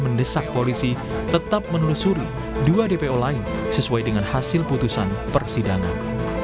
mendesak polisi tetap menelusuri dua dpo lain sesuai dengan hasil putusan persidangan